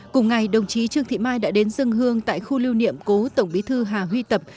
cùng ngày đồng chí trương thị mai đã đến dân hương tại khu lưu niệm cố tổng bí thư hà huy tập